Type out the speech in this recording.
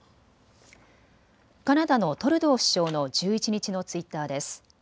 カナダのトルドー首相の１１日のツイッターです。